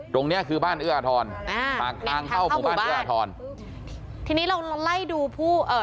ตรงเนี้ยคือบ้านเอื้ออาทรอ่าปากทางเข้าหมู่บ้านเอื้ออาทรทีนี้เราเราไล่ดูผู้เอ่อ